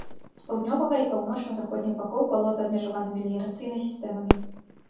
З паўднёвага і паўночна-заходніх бакоў балота абмежавана меліярацыйнай сістэмамі.